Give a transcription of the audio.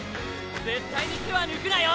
絶対に手は抜くなよ！